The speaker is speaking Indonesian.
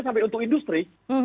sampai untuk industri